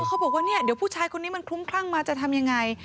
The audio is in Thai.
เขาบอกว่าเนี่ยเดี๋ยวผู้ชายคนนี้มันคลุ้มคลั่งมาจะทำยังไง